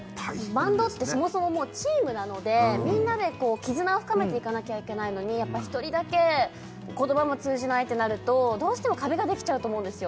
バンドってそもそももうチームなのでみんなで絆を深めていかなきゃいけないのにやっぱ１人だけ言葉も通じないってなるとどうしても壁ができちゃうと思うんですよ